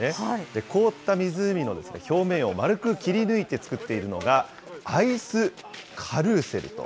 凍った湖の表面を丸く切り抜いて作っているのが、アイスカルーセルと。